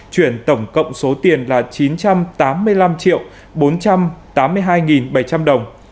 chuyển tổng cộng số tiền là chín trăm tám mươi năm bốn trăm tám mươi hai bảy trăm linh đồng